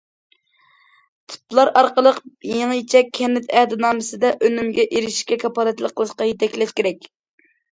تىپلار ئارقىلىق يېڭىچە كەنت ئەھدىنامىسىدە ئۈنۈمگە ئېرىشىشكە كاپالەتلىك قىلىشقا يېتەكلەش كېرەك.